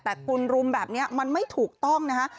แต่คุณรุมแบบนี้มันไม่ถูกต้องนะฮะ